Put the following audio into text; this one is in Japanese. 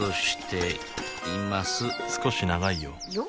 少し長いよよ？